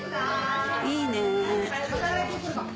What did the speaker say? いいね。